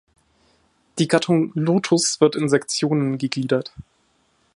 Die Gattung "Lotus" wird in Sektionen gegliedert.